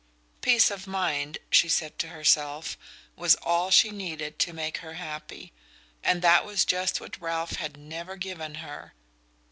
Peace of mind, she said to herself, was all she needed to make her happy and that was just what Ralph had never given her!